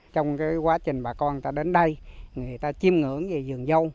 trong quá trình bà con người ta đến đây người ta chiêm ngưỡng về vườn dâu